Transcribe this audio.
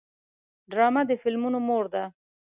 ډرامه د فلمونو مور ده